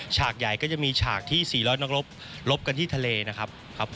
ฉากใหญ่ก็จะมีฉากที่๔๐๐นักรบรบกันที่ทะเลนะครับ